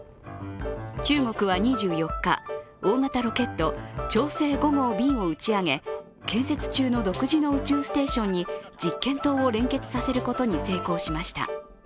中国は２４日、大型ロケット、長征５号Ｂを打ち上げ建設中の独自の宇宙ステーションに実験棟を連結させることに成功しました。